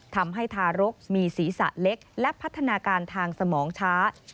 ทารกมีศีรษะเล็กและพัฒนาการทางสมองช้า